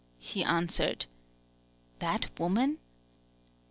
_" he answered.... THAT WOMAN?